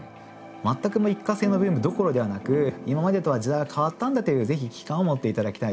全くの一過性のブームどころではなく今までとは時代は変わったんだという是非危機感を持っていただきたい。